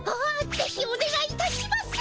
ぜひおねがいいたします。